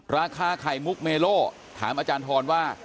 ราคาไข่มุกเมโลถามอาจารย์ทรว่า